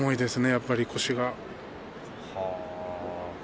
やっぱり腰が。